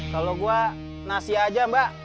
kalau gue nasi aja mbak